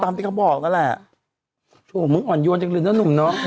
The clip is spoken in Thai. ถ้าไม่บังคับมันจะไปเหรอ